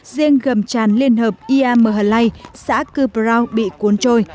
riêng ngầm tràn liên hợp ia m h lai xã cư brau bị cuốn trôi